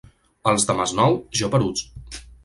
Els de Masnou, geperuts.